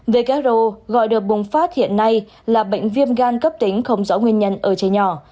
who gọi đợt bùng phát hiện nay là bệnh viêm gan cấp tính không rõ nguyên nhân ở trẻ nhỏ